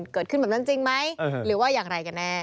เกิดขึ้นแบบนั้นจริงไหมหรือว่าอย่างไรกันแน่